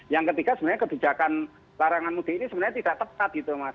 yang ketiga sebenarnya kebijakan larangan mudik ini sebenarnya tidak tepat gitu mas